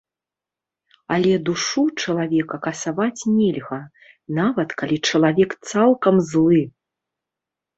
Але душу чалавека касаваць нельга, нават калі чалавек цалкам злы.